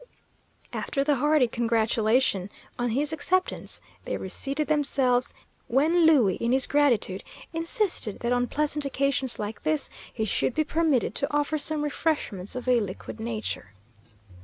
After the hearty congratulation on his acceptance, they reseated themselves, when Louie, in his gratitude, insisted that on pleasant occasions like this he should be permitted to offer some refreshments of a liquid nature.